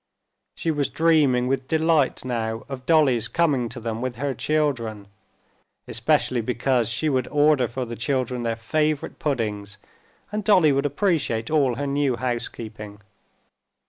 She was dreaming with delight now of Dolly's coming to them with her children, especially because she would order for the children their favorite puddings and Dolly would appreciate all her new housekeeping.